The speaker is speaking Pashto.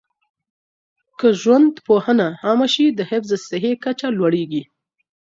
که ژوندپوهنه عامه شي، د حفظ الصحې کچه لوړيږي.